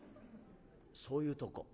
「そういうとこ。